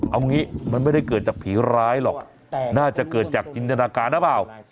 เอางี้มันไม่ได้เกิดจากผีร้ายหรอกน่าจะเกิดจากจินตนาการหรือเปล่า